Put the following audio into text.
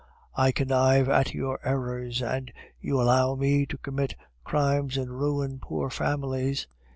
'I connive at your errors, and you allow me to commit crimes and ruin poor families!